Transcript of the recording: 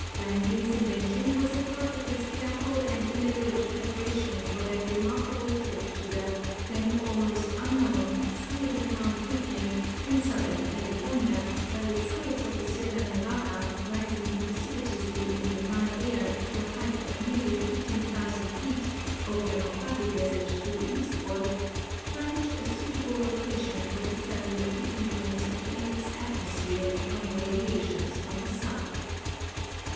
Langley's invention was a part of his careful and elaborate preparation for that remarkable trip to the (then almost unknown) summit of Mount Whitney, in southern Cali fornia, where the summits of the Sierra Nevada, rising precipitously in the dry air to a height of nearly fifteen thousand feet over the Mojave Desert to the eastward, furnished a suitable location for the study of the influence of the earth's atmosphere upon the radiations from the sun.